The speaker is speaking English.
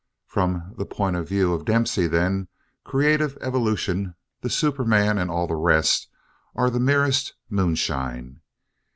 From the point of view of Dempsey, then, creative evolution, the superman and all the rest, are the merest moonshine.